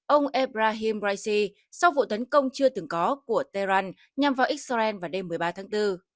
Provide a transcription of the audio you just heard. ông ebrahim raisi sau vụ tấn công chưa từng có của tehran nhằm vào israel vào đêm một mươi ba tháng bốn